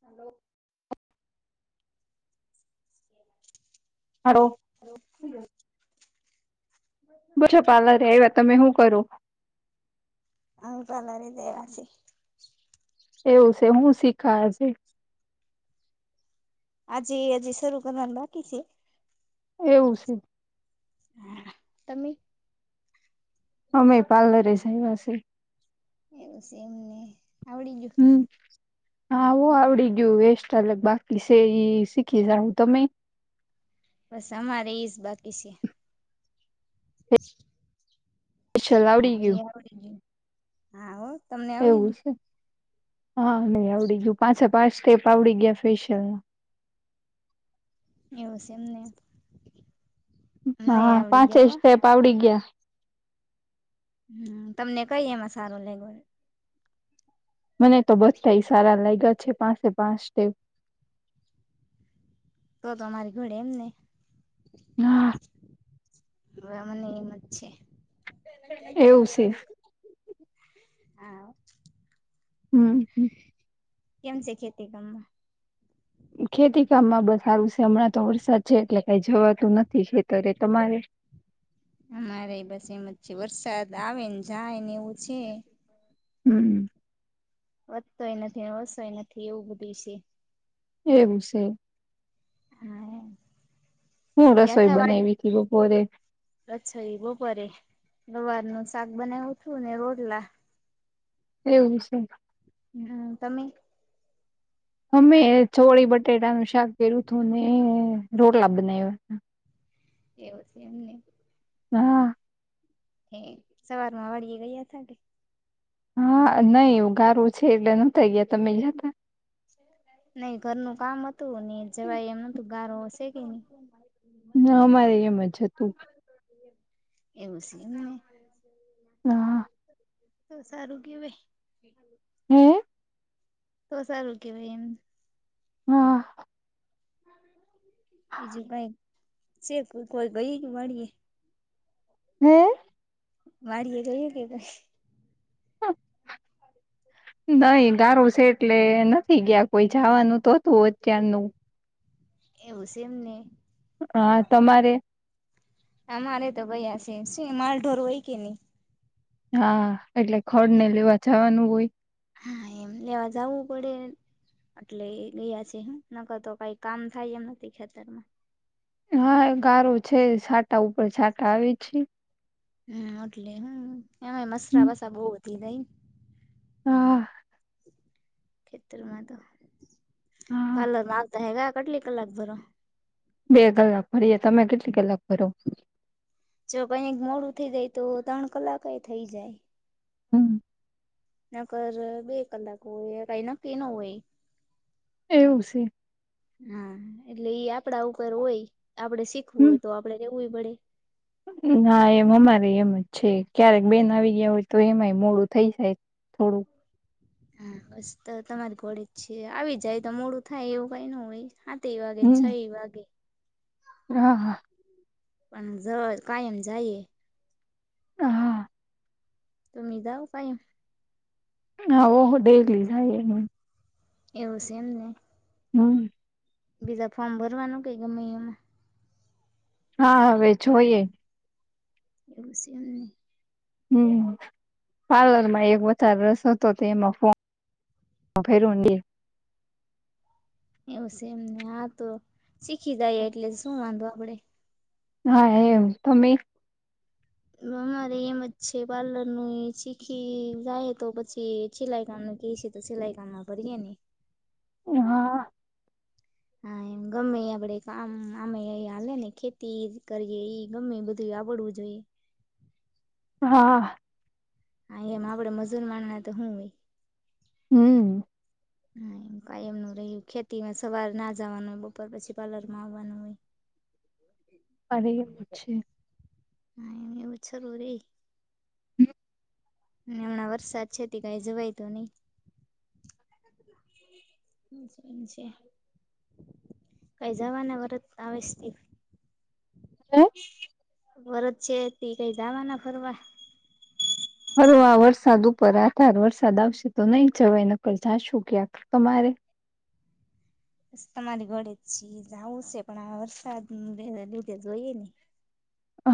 Hello. [inaudible] હો. Hello. બછો parlour એ વાત તમે શું કરો? હ તો અલ ર દે રાશી. એવું છે હું શીખાજે. આજીે આજી સરરૂ કંદન બાકી છે. એવું છે. હ તમે? અમે પાર્લર જઈવા છે. એવું છે એમ ને, અવડી ગયું? હમ, હું આવડી ગયું વસ્ટલે બાકી સ એ શીખી જાું તમે? બસ અમારે સ બાકી છે. [inaudible] ફેશિયલ આવડી હા એ આવડી, હા હો તમને ગયું આવડી એવું ગું? છે હા નહી આવડી ગયું પાછા પાંચ તેપ આવડી ગયા ફેશિયલ. એવું છે એમને? અમને હા આવડી પાંચે ગયો જ હો સ્ટેપ આવડી ગયા. હ તમને કઈ એમાં સારું લેવોય? તો સારા લાગ્યા છે પાસે પાંચ ટેવ. તો ઘડ એમ ને. ના. હવે મને છે. એવું છે હા. હમ કેમ છે ખેતી કામમાં? ખેતી કામ માં બ સારું છે હમણાં તો વરસાદ છે એટલે કઈ જવાતું નથી ખેતરે તમારે? અમારે બસ એમ જ છે વરસાદ આવે ને જાય ને એવું છે. હમ્મ. વધતોય નથી ઓસોય નથી એવું બધું છે. એવું છે. હા. હું રસોઈ બનાઈવીતી બપોરે? અચ્છા ઈ બપોરે, ગવાર નું શાક બનાવ્યું હતું ને રોટલા. એવું છે. હમ્મ તમે અમે ચોળી બટેટાનું શાક કર્યું તું અને રોટલા બનાવ્યા એવું છે એમને હા હે, સવારમાં વાડીયે ગયા તા કે હા, નઈ ઉગારુ છે એટલે ન ગયા તમે ગ્યાતા નઈ ઘરનું કામ હતું ને જવાય એમ નતું ગારો શે કેની ન અમારેય એમ જ હતું એવું શે ને હા તો સારું કેવાય હે તો સારું કેવાય એમ હા ઈજુ ભાઈ કઈ શેખ કોઈ ગઈ વાડીએ હે વાડીએ ગઈ કે કાઈ [unintelligible] નહી ગારો છે એટલે નથી ગયા કોઈ જવાનું હતું અત્યારનું એવું સે એમ ને હા તમારે અમારે તો ભાઈયા છે શું માલ ઢોર હોય કે નહી હા, એટલે ખડ ને લેવા જવાનું હોય હા, એમ લેવા જાવુ પડે એટલે એ ગયા છે નકતો કઈ કામ થાય એમ નથી ખેતરમાં હા, ગારુ છે સાટા ઉપર છાટા આવે છે હમ્મ એટલે હમ્મ એમાં મસરા, વસરા બહુ વધી જઈ હા ખેતરમાંતો હા પાર્લર [unintelligible] કેટલી કલાક ભરો બે કલાક ભરીએ, તમે કેટલી કલાક ભરો જો કઈક મોડું થઇ જાય તો ત્રણ કલાક એ થઈ જાય હમ્મ નકર બે કલાક હોય, કાઈ નક્કી ન હોય એવું છે હા, એટલે ઈ આપડા ઉપર હોય આપડે શીખવું હોય હમ તો આપડે રેવુંયે પડે ના એમ અમારે એમ જ છે ક્યારેક બેન આવી ગયા હોય તો એમાંય મોડું થઈ જાય થોડું હા, બસ તો તમારી ઘોડે જ છે આવી જાય તો મોડું થાય એવું કંઈ ન હોય હાતેય વાગે ન છ હમ એ વાગે હા પણ જ કાયમ જાઈએ હા તમે જાઓ કાઈ હા, હો ડેલી જાય એ એવું સે એમ ને હમ્મ. બીજા ફોર્મ ભરવાનું કેઈ ગમે એમાં? હા હવે જોઈએ. [inaudible] હમ્મ. પાર્લર માં એક વ [unintelligible] તો એમાં ફોર્મ [unintelligible] એવું સે એમને. હા તો શીખી જાઈએ એટલે શું વાંધો આપણે. હા એમ. તમેઈ અમારેઈ એમ જ છે પાર્લર નું એ શીખી જાઈએ તો પછી સિલાઈ કામનું કહે સે તો સિલાઈ કામમાં ભરીએને. એ હા. હા એમ. ગમેઈ આપણે કામ આમેઈ ઈ હાલે ને, ખેતી ઈજ કરીએ, ઈ ગમેઈ બધું આવડવું જ જોઈએ. હા. હા એમ. આપણે મજૂર માણા હે તો હું હોય. હમ્મ. હા એમ. કાંઈ એમનું રહ્યું, ખેતીમાં સવાર ના જવાનું હોય, બપોર પછી પાર્લર માં આવવાનું હોય. [inaudible] મારે ઈ જ છે. હા એને એવું [unintelligible] હમણાં વરસાદ છે તે કંઈ જવાય તો નહી. [inaudible] કંઈ જાવાના વરત આવે [unintelligible] હે? વરદ છે તેઈ કંઈ જવાના ફરવા? ફરવાં વરસાદ ઉપર આધાર, વરસાદ આવશે તો નહીં જવાય, નકર જાશું ક્યાંક. તમારે? તમારી ઘોડે જ છી. જાઉં સે પણ આ વરસાદને લીધે જોઈએ ને.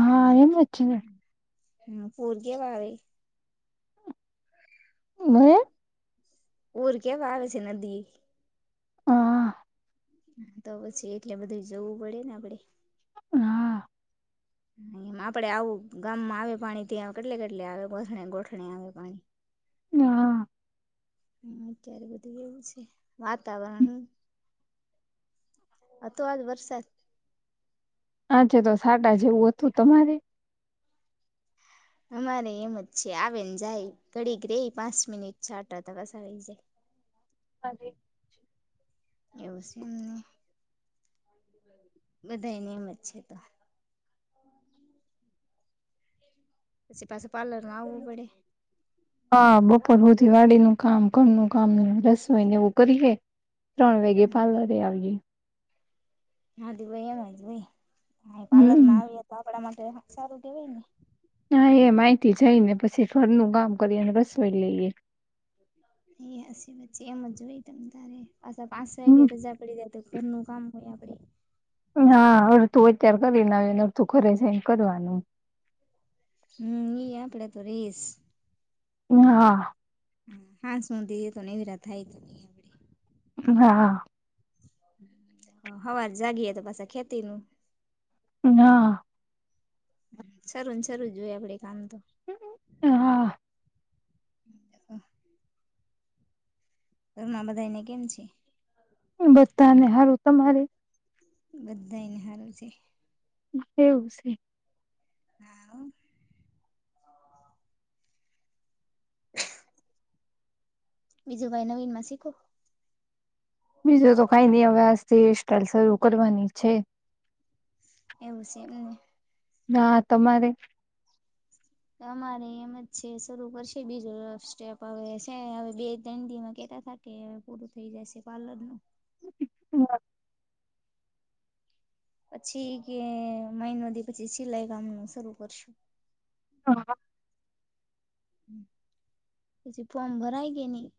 હા એમ જ ને. ને પૂર કેવાં આવે! હે? પૂર કેવાં આવે છે નદીએ. હા તો પછી એટલે બધુંય જોવું પડે ને આપણે. હા. ને એમ આપણે આવું ગામમાં આવે પાણી ત્યા કેટલે-કેટલે આવે, ગોઠણે-ગોઠણે આવે પાણી. હા. હમ્મ અત્યારે બધું એવું જ છે. વાતાવરણ હુ આ તો આજ વરસાદ આ છે તો સાટા જેવું હતું તમારે. અમારેઈ એમ જ છે. આવે ને જાય, ઘડીક રેઈ પાંચ મિનિટ છાંટા [unintelligible] આવી જાય. [inaudible] એવું સે એમને. બધાઈ ને એમ જ છે તો. પછી પાછું પાર્લર માં આવવું પડે. હા. બપોર હુધી વાડીનું કામ, ઘરનું કામ ને રસોઈ ને એવું કરીએે. ત્રણ વાઈગે પાર્લરે આવીએ. હા તો પહી એમ જ હોય. અહિયાં પાર્લર હમ માં આવીએ તો આપણા માટે સારું કહેવાય ને. હા એ માહિતી જઈ ને પછી ઘરનું કામ કરીને રસોઈ લઈએ. એ હસી પછી એમ જ જો હોય. તમ તારે પાછા પાંચ વાગે હમ્મ. રજા પડી જાય. ઘરનું કામ હોય આપડે. હા અડધું અત્યારે કરીને, આવ ને અડતું ઘરે જઈને કરવાનું. હમ, ઈ આપડે તો રેયસ. હા... હ, હાજ શુંધી ઈતો નૈવરા થાય તઈ. [inaudible] હા. હવાર જાગીએ તો પાસા ખેતી નુ. હા. સરું ને સરું જ હોય આપડે કામ તો. [unintelligible] હ હા... ઘર માં બધા ને કેમ છે બધા ને હારું. તમારે બધાને સારું છે. એવું છે.. હા હો.. હ [unintelligible] બીજું ભાઈ નવીન માં શીખો. બીજું તો કઈ નઈ હવે, આજથી હેરસ્ટાઈઇલ શરૂ કરવાની છે. એવું છે. એમને.. ના તમારે.. અમારે એમ જ છે. શરૂ કરશે બીજો સ્ટેપ હવે સે હવે બે તણ દિમાં કેતા તા. કે, પૂરું થઈ જશે, પાર્લર નું. હા [unintelligible] પછી, ઈકે મઈનો દિ પછી, સિલાઈ કામ નું શરૂ કરશું. હા. [unintelligible] હમ પછી ફોર્મ ભરાય કે નહી.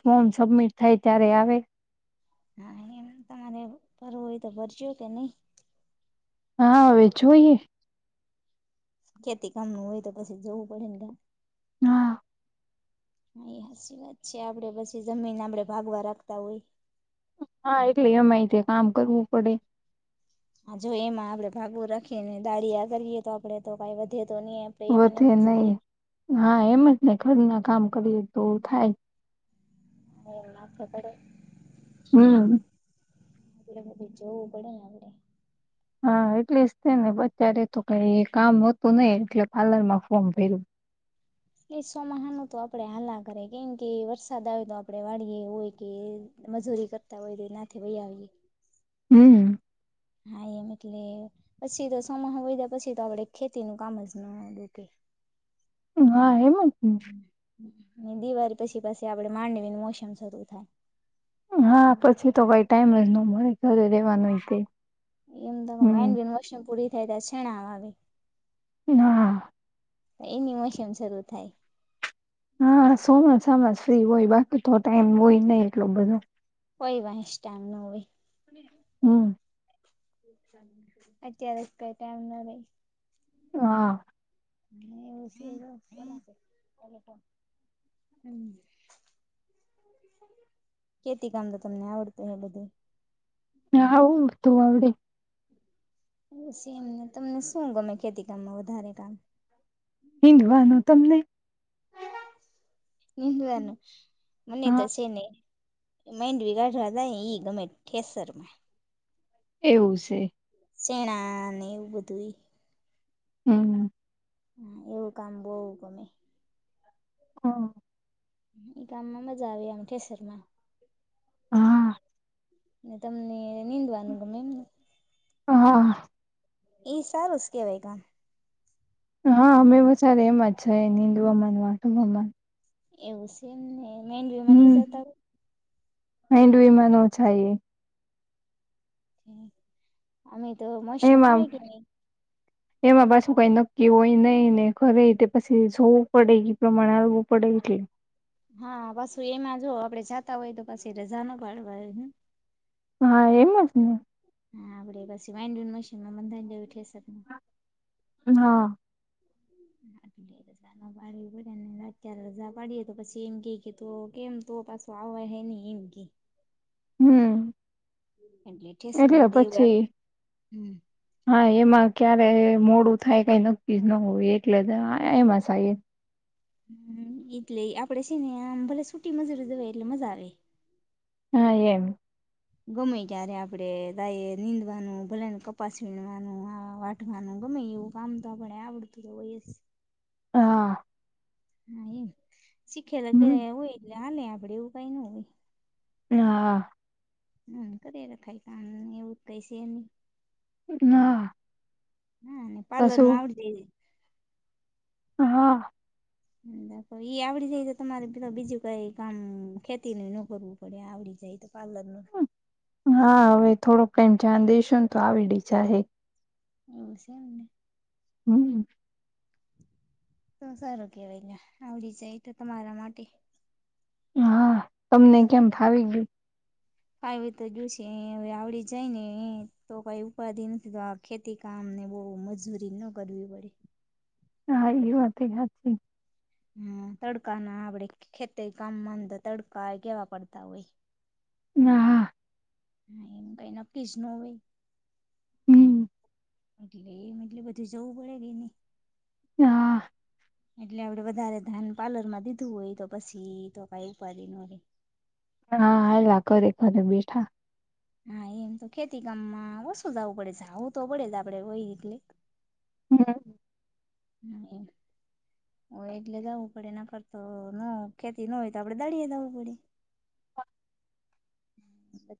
ફોર્મ સબમિટ થાય, ત્યારે આવે. હા એમ તમારે ભરવું હોય, તો ભરસો કે નહી. હા, હવે જોઈએ. ખેતી કામ નું હોય, તો પછી જવું પડે ને કાં? હા. એ હસી વાત છે આપડે પછી જમીને આપડે ભાગવા રાખતા હોય. હા, એટલે અમાયતે કામ કરવું પડે. હજુ જો એમાં આપડે ભાગુ રાખીને દાળીયા કરીએ, તો આપડે તો કઈ વધે તો નહી. એમ અને એમ વધે જ નહી, રહીએ હા એમ જ ને ઘર ના કામ કરીએ. તો થાય. હ [inaudible] હમ... એટલે બધે જોવુ પડે અમને, હા એટલે જ તે ને બચારે તો કઈ કામ હતું નહીં એટલે પાર્લર માં ફોર્મ ભર્યું. એ સોમહા ન તો આપડે હાલા કરે, કેમ કે વરસાદ આવે. તો આપડે વાડીએે હોય કે મજૂરી કર તા હોઈએ નાથે વહીયા હોઈએ. હમ્મ હા એમ એટલે પછી, તો સોમાહ વયદ્યા પછી તો આપડે ખેતી નું કામ જ ના ડુકે. હા, એમાં હું છે. દિવાળી પછી પછી આપડે માંડવીનું મોસમ શરૂુ થાય. હા, પછી તો ભઈ ટાઈમ જ ન મળે ઘરે દે. હા, એમ તો માઇન્ડમોશન પૂરી થાય ત છેણા આવી. હા. એની મશીન શરૂ થાય. હા, સોમસ સામાસ ફ્રી હોય, બાકી તો ટાઈમ હોય નહી એટલો બધો કોય વાસ ટાઈમ ના હોય. હમ્મ. અત્યારે જ કઈ ટાઈમ ના રેહ હા. [unintelligible] હમ્મ. ખેતી કામ તો તમને આવડતું હે બધું. હા આવું તોું આવડે. [unintelligible] સીમ તમને શું ગમે ખેતી કામમાં વધારે કામ? હીંગવાનું, તમને? નિંદવાનું, મને તો હા છે ને. માઈન્ડ બગાઢવા થાય ને ઈ ગમે ઠેસર માં એવું છે. સેણા ને એવું બધું હમ્મ. એવું કામ બો ગમે. હમ્મ. એ ગામ માં મજા આવી આમ ઠેસર માં હા. ને તમને નીંદવાનું ગમે એમને? હા. એઈએ સારુ જ કેહવાય કા. હા, મેમ સર એમ મજા નિંદુ મમ્ને વાટું મ્ એવું છેમ ને મેનવીમાં નઈ જતા હો. હેન્ડવિમાં ન જઈએ. અમે તો [unintelligible] એમાં આવે નહી. એમાં પાછું કઈ નક્કી હોય નઈ ને ઘરે તે પછી જોવું પડે એ પ્રમાણે હાલવું પડે એટલે. હા પછું એમાં જો આપડે જાતા હોય તો પછી રજા ન પાડવાય ને. હા, એમજ ને. હા, આપડે પછી વાડ મશીનમાં બંધણવું એવું કેહસે. હા. બાળ બડને લ્યારે રજા પાડીએ તો પછી એમ કે કે કેમ તો પાછું આવય હ ને એમ કે હમ્મ. એ લેટેસ્ટના દેવ એપ, હમ્મ. હા, એમાં ક્યારે મોડું થાય કઈ નક્કી જ ન હોય એટલે એમાં થ. હમ્મ, એટલે આપડે છે ને આમ ભલે સુટી મજૂરી જવાય એટલે મજા આવે. હા, એમ. ગમે ત્યારે આપડે તાય નીંદવાનું ભલે ને કપાસ વીણવાનું આ વા કાનું ગમે એવું કામ તો આપડે આવડતુંજ હોયજ. હા. હા એમ શીખે લગ હમ હોય એટલે હાલે આપડે એવું કઈ ન હોય. હા. હમ્મ, કરે ને થાય કામ એવું તઈ છે નહીં. હા. હા, ને પાર્લર નું કશું આવડી જે. હા. દખો એઈ આવડી જાય તો તમારે પેલું બીજું કઈ કામ ખેતી નો કરવું. પડે એ આવીડી જાઈ તો પાર્લર નું. હા હવે થોડોક ટાઈમ જાન દઈશું ને તો આવડી જાહે. હ સેમ ને. હમ્મ. તો સારું કેવાય ને આવડી જાય તો તમારા માટે. હા, તમને કેમ ફાવી ગયું. આવી રીતે જોયું છે હ આવડી જાય ને તો કઈ ઉપાધિ નથી તો ખેતી કામ ને બહુ મજૂરી ન કરવી પડે. હા એ વાત હે હાચી. હમ્મ, તડકા ના આપડે ખેત કામ તો તડકા એ કેવા પડતા હોય. ના હા. હા, એમ કઈ નક્કી જ ન હોય. હમ્મ. એટલે એમ એટલે બધું જવું પડે કેઈ નહિં. એ હા. એટલે આપડે વધારે ધાન પાર્લર માં દીધું હોય તો પછી તો કઈ ઉપાદી નો રહે. હા આલા ઘરે ઘરે બેઠા. હા, એમ તો ખેતી કામમાં ઓછુ જવું પડે છે આવું તો પડે છે આપડે હોય એટલે. હમ્મ. હા એ. હોય એટલે જવું પડે ના કરરતો ન ખેતી ન હોય તો આપડે દાળીએ જવું પડે. હા. હ અ.